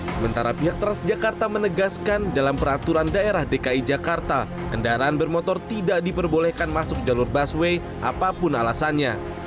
sementara pihak transjakarta menegaskan dalam peraturan daerah dki jakarta kendaraan bermotor tidak diperbolehkan masuk jalur busway apapun alasannya